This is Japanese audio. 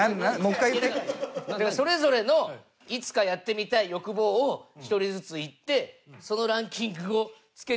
だからそれぞれのいつかやってみたい欲望を１人ずつ言ってそのランキングをつけて。